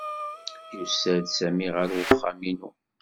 Yusa-d Sami ɣer uxxam-inu.